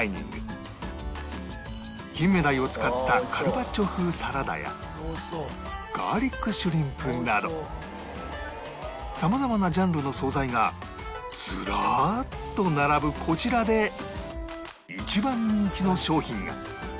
金目鯛を使ったカルパッチョ風サラダやガーリックシュリンプなどさまざまなジャンルの惣菜がずらっと並ぶこちらで一番人気の商品が